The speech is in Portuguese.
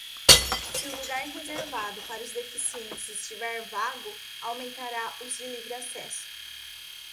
Se o lugar reservado para os deficientes estiver vago, aumentará os de livre acesso.